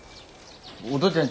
お父ちゃん